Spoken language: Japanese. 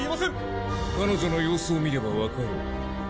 彼女の様子を見ればわかろう。